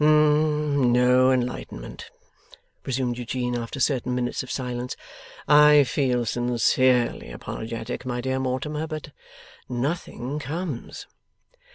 'No enlightenment,' resumed Eugene, after certain minutes of silence. 'I feel sincerely apologetic, my dear Mortimer, but nothing comes.